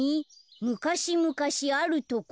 「むかしむかしあるところ。